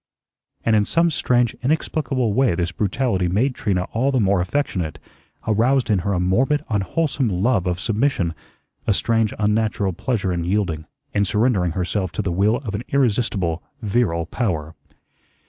And in some strange, inexplicable way this brutality made Trina all the more affectionate; aroused in her a morbid, unwholesome love of submission, a strange, unnatural pleasure in yielding, in surrendering herself to the will of an irresistible, virile power.